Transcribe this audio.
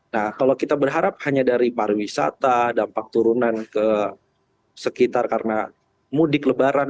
nah kalau kita berharap hanya dari pariwisata dampak turunan ke sekitar karena mudik lebaran